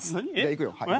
いくよ。